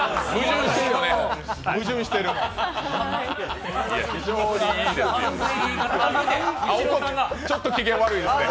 矛盾してるよね。